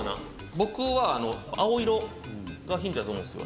僕は青色がヒントやと思うんですよ。